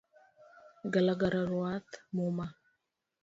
Galagala ruadh muma